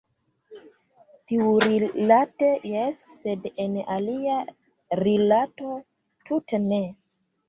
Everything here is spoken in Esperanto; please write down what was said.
Tiurilate jes, sed en alia rilato tute ne.